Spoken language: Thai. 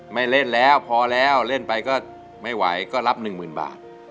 ไม่เล่นแล้วพอแล้วเล่นไปก็ไม่ไหวก็รับหนึ่งหมื่นบาท